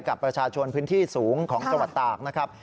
กับประชาชนพื้นที่สูงของจังหวัดตากนะครับ